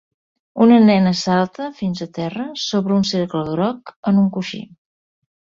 Una nena salta fins a terra sobre un cercle groc en un coixí.